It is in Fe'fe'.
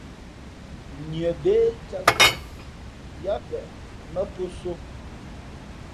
Nʉα bé cāt tαʼ, yáā peʼ mά pō sō.